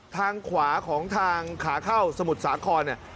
ทางขวาของทางขาเข้าสมุทรสาครเนี่ย